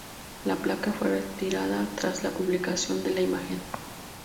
La placa fue retirada tras la publicación de la imagen.